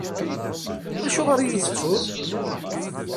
Acuɣer i iyi-tettuḍ?